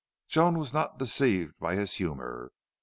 Joan was not deceived by his humor.